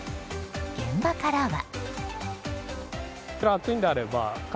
現場からは。